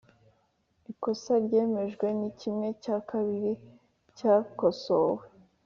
ikosa ryemejwe ni kimwe cya kabiri cyakosowe.